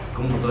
cùng một tối